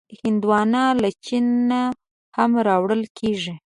هندوانه له چین نه هم راوړل کېږي.